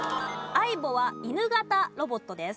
ａｉｂｏは犬型ロボットです。